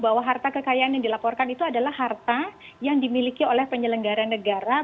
dua ribu dua puluh bahwa harta kekayaan yang dilaporkan itu adalah harta yang dimiliki oleh penyelenggaran negara